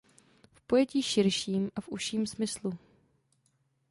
V pojetí širším a v užším smyslu.